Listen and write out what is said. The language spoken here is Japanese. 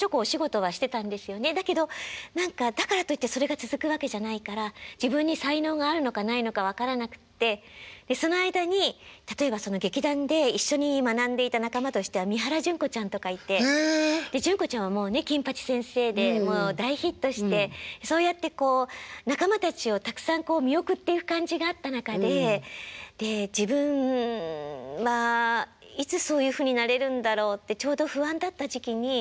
だけど何かだからといってそれが続くわけじゃないから自分に才能があるのかないのか分からなくってその間に例えばその劇団で一緒に学んでいた仲間としては三原じゅん子ちゃんとかいてでじゅん子ちゃんはもうね「金八先生」でもう大ヒットしてそうやってこう仲間たちをたくさん見送っていく感じがあった中でで自分まあいつそういうふうになれるんだろうってちょうど不安だった時期に何かその「歌手になりませんか？」